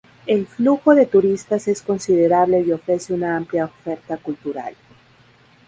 El flujo de turistas es considerable y ofrece una amplia oferta cultural.